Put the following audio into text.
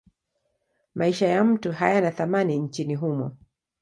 Maisha ya mtu hayana thamani nchini humo.